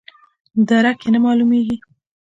درک یې نه معلومیږي.